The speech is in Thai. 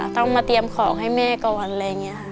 ต้องมาเตรียมของให้แม่ก่อน